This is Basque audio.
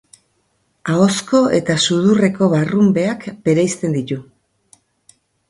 Ahozko eta sudurreko barrunbeak bereizten ditu.